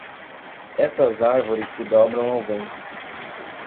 Essas árvores se dobram ao vento.